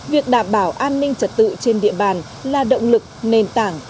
việc đảm bảo an ninh trật tự trên địa bàn là động lực nền tảng